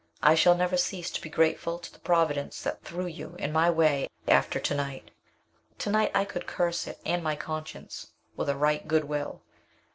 I shall never cease to be grateful to the Providence that threw you in my way after to night. To night I could curse it and my conscience with a right good will."